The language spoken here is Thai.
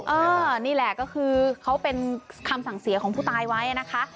นี่แหละก็คือเขาเป็นคำสั่งเสียของผู้ตายไว้นะคะ